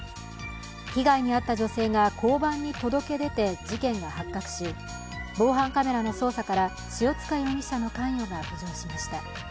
被害に遭った女性が交番に届け出て事件が発覚し、防犯カメラの捜査から塩塚容疑者の関与が浮上しました。